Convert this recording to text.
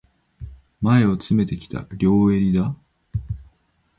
前を詰めてきた、両襟だ。